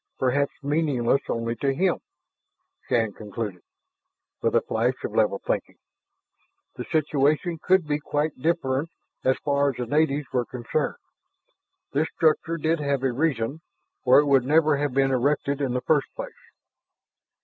Perhaps meaningless only to him, Shann conceded, with a flash of level thinking. The situation could be quite different as far as the natives were concerned. This structure did have a reason, or it would never have been erected in the first place.